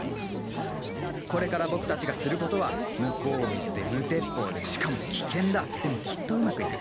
これから僕たちがすることは向こう見ずで無鉄砲でしかも危険だでもきっとうまく行く。